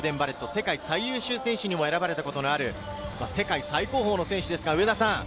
世界最優秀選手にも選ばれたことがある、世界最高峰の選手です。